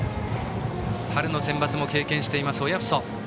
春のセンバツも経験しています親富祖。